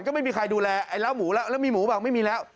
ก็ไม่มีใครดูแลไอ้เหล้าหมูแล้วแล้วมีหมูเปล่าไม่มีแล้ว